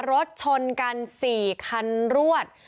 รถชนกัน๔คันรวด